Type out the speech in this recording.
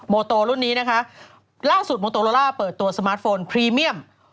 โตรุ่นนี้นะคะล่าสุดโมโตโลล่าเปิดตัวสมาร์ทโฟนพรีเมียม